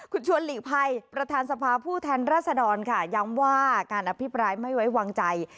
คุณชวนหลีกภัยประธานสภาผู้แทนรัศดรค่ะย้ำว่าการอภิปรายไม่ไว้วางใจ